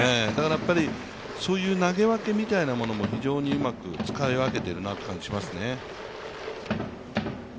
そういう投げ分けみたいなものも非常にうまく使い分けているなと感じますね。